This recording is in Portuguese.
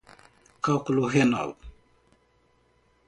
Cálculo renal